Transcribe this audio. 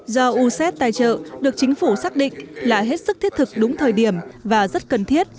do used tài trợ được chính phủ xác định là hết sức thiết thực đúng thời điểm và rất cần thiết